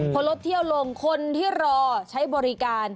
พอลดเที่ยวลงคนที่รอใช้บริการ